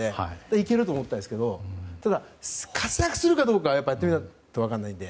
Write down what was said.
いける！と思ったんですけど活躍するかどうかはやっぱり、やってみないと分からないので。